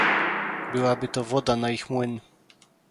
Byłaby to woda na ich młyn